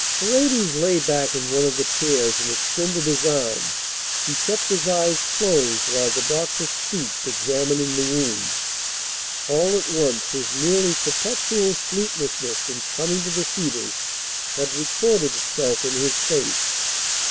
Paredes lay back in one of the chairs and extended his arm. He kept his eyes closed while the doctor stooped, examining the wound. All at once his nearly perpetual sleeplessness since coming to the Cedars had recorded itself in his face.